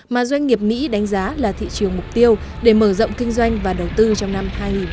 mà doanh nghiệp mỹ đánh giá là thị trường mục tiêu để mở rộng kinh doanh và đầu tư trong năm hai nghìn hai mươi